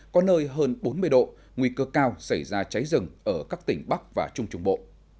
có nơi hơn bốn mươi độ nguy cơ cao xảy ra cháy rừng ở các tỉnh bắc và trung trung bộ